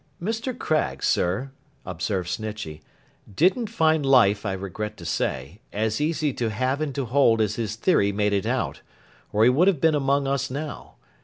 'Mr. Craggs, sir,' observed Snitchey, 'didn't find life, I regret to say, as easy to have and to hold as his theory made it out, or he would have been among us now.